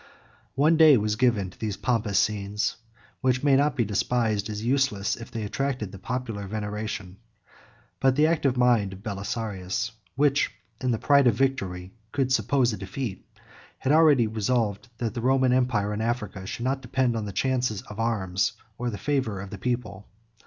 One day was given to these pompous scenes, which may not be despised as useless, if they attracted the popular veneration; but the active mind of Belisarius, which in the pride of victory could suppose a defeat, had already resolved that the Roman empire in Africa should not depend on the chance of arms, or the favor of the people.